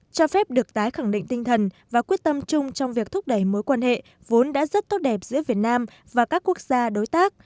cho phép được tái khẳng định tinh thần và quyết tâm chung trong việc thúc đẩy mối quan hệ vốn đã rất tốt đẹp giữa việt nam và các quốc gia đối tác